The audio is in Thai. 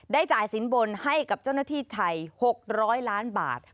จ่ายสินบนให้กับเจ้าหน้าที่ไทย๖๐๐ล้านบาท